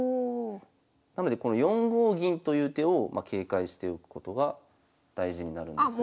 なのでこの４五銀という手を警戒しておくことが大事になるんですが。